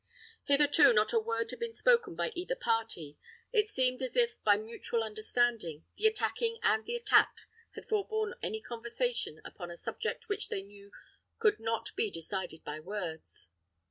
Hitherto not a word had been spoken by either party. It seemed as if, by mutual understanding, the attacking and the attacked had forborne any conversation upon a subject which they knew could not be decided by words.